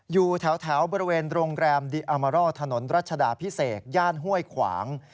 อยู่แถวบริเวณโรงแรมดีอามารอถนนรัชดาพิเศษย่านห้วยขวาง